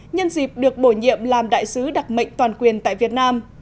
nhân dịp được bổ nhiệm làm đại sứ đặc mệnh toàn quyền tại việt nam